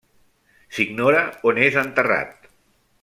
S'ignora on és enterrat.